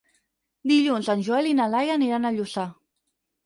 Dilluns en Joel i na Laia aniran a Lluçà.